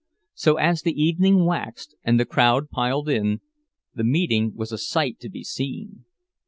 So, as the evening waxed, and the crowd piled in, the meeting was a sight to be seen.